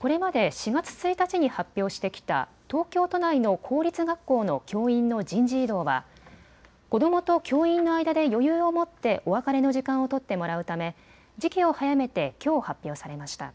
これまで４月１日に発表してきた東京都内の公立学校の教員の人事異動は子どもと教員の間で余裕を持ってお別れの時間を取ってもらうため時期を早めてきょう発表されました。